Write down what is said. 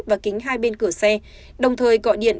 và kính hai bên cửa xe đồng thời gọi điện